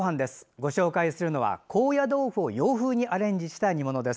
ご紹介するのは、高野豆腐を洋風にアレンジした煮物です。